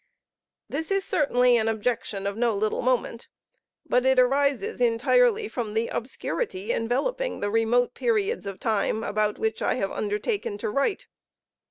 This is certainly an objection of no little moment, but it arises entirely from the obscurity enveloping the remote periods of time about which I have undertaken to write.